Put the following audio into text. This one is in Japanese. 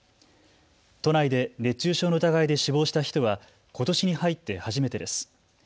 都内で熱中症の疑いで死亡した人はことしに入って初めてです。